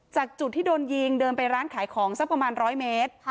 จากจุดที่โดนยิงเดินไปร้านขายของสักประมาณ๑๐๐เมตร